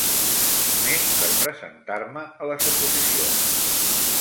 Només per presentar-me a les oposicions.